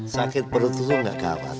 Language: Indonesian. sakit perut itu nggak gawat